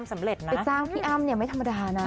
ไปจ้างพี่อ้ำเนี่ยไม่ธรรมดานะ